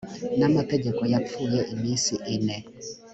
n amategeko yapfuye iminsi ine